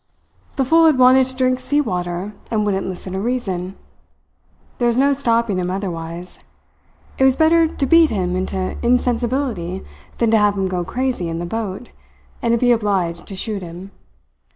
The fool had wanted to drink sea water, and wouldn't listen to reason. There was no stopping him otherwise. It was better to beat him into insensibility than to have him go crazy in the boat, and to be obliged to shoot him.